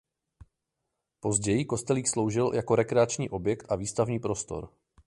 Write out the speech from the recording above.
Později kostelík sloužil jako rekreační objekt a výstavní prostor.